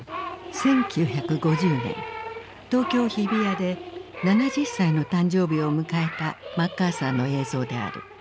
１９５０年東京・日比谷で７０歳の誕生日を迎えたマッカーサーの映像である。